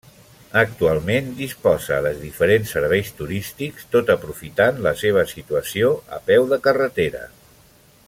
Actualment disposa de diferents serveis turístics tot aprofitant la seva situació a peu de carretera.